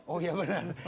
oh iya bener